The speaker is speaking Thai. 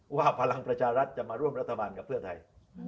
พลังประชารัฐจะมาร่วมรัฐบาลกับเพื่อไทย